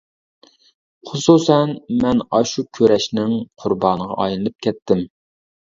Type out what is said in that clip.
خۇسۇسەن مەن ئاشۇ كۈرەشنىڭ قۇربانىغا ئايلىنىپ كەتتىم.